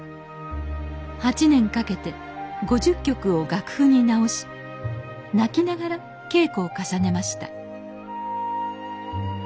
８年かけて５０曲を楽譜に直し泣きながら稽古を重ねました